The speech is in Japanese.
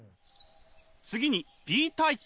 次にＢタイプ。